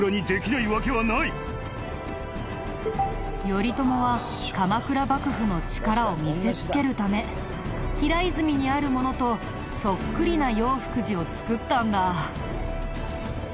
頼朝は鎌倉幕府の力を見せつけるため平泉にあるものとそっくりな永福寺を造ったんだ。